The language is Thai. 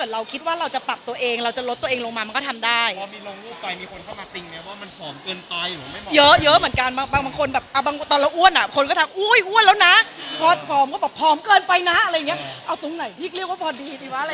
เอาตรงไหนที่เรียกว่าปลอดภัยดีวะ